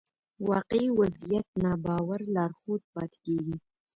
واقعي وضعيت ناباور لارښود پاتې کېږي.